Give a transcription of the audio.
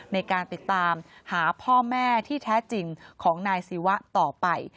ในการติดตามหาพ่อแม่ที่แท้จริงของนายศิวะต่อไป